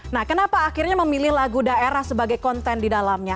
nah kenapa akhirnya memilih lagu daerah sebagai konten di dalamnya